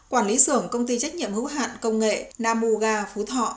quản lý sưởng công ty trách nhiệm hữu hạn công nghệ nam u ga phú thọ